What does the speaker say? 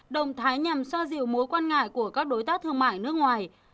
động thái nhằm xoa dịu mối quan ngại của các đối tác thương mại nước ngoài